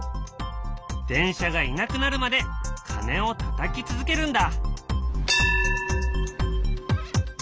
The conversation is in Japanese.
電車がいなくなるまで鐘をたたき続けるんだ。